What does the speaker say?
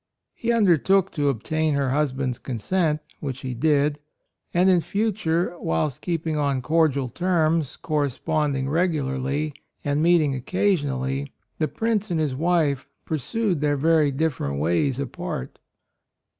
He undertook to obtain her husband's consent, which he did ; and in future, whilst keeping on cordial terms, corresponding regularly, and meeting occasionally, the Prince and his wife pursued their very different ways apart.